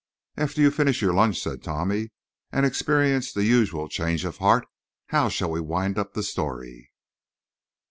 "After you finish your lunch," said Tommy, "and experience the usual change of heart, how shall we wind up the story?"